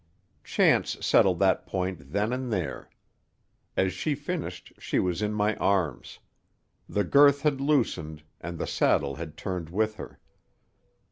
Chance settled that point then and there. As she finished, she was in my arms. The girth had loosened, and the saddle had turned with her.